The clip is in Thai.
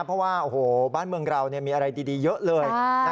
เพราะว่าโอ้โหบ้านเมืองเรามีอะไรดีเยอะเลย